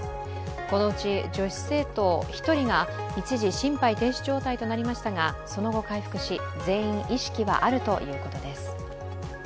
このうち、女子生徒１人が一時心肺停止状態となりましたがその後回復し、全員意識はあるということです。